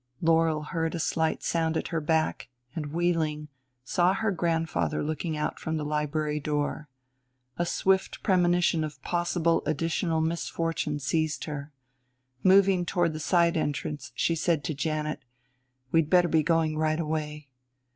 Laurel heard a slight sound at her back, and, wheeling, saw her grandfather looking out from the library door. A swift premonition of possible additional misfortune seized her. Moving toward the side entrance she said to Janet, "We'd better be going right away."